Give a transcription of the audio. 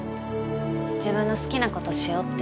自分の好きな事しようって。